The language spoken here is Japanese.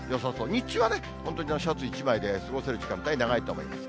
日中はね、本当にシャツ１枚で過ごせる時間帯、長いと思います。